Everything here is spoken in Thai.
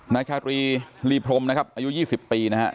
นายชาตรีลีพรมนะครับอายุ๒๐ปีนะฮะ